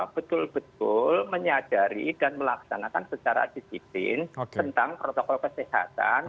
betul betul menyadari dan melaksanakan secara disiplin tentang protokol kesehatan